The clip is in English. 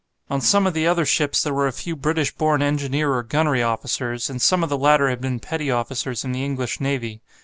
On some of the other ships there were a few British born engineer or gunnery officers, and some of the latter had been petty officers in the English navy.